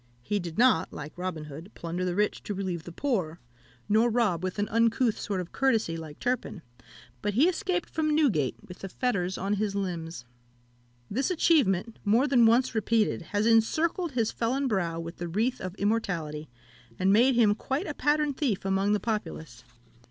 He did not, like Robin Hood, plunder the rich to relieve the poor, nor rob with an uncouth sort of courtesy, like Turpin; but he escaped from Newgate with the fetters on his limbs. This achievement, more than once repeated, has encircled his felon brow with the wreath of immortality, and made him quite a pattern thief among the populace.